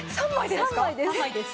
３枚です。